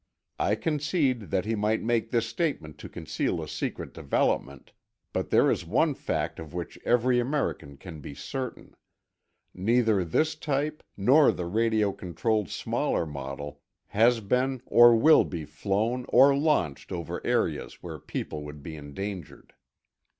I concede that he might make this statement to conceal a secret development, but there is one fact of which every American can be certain: Neither this type, nor the radio controlled smaller model, has been or will be flown or launched over areas where people would be endangered.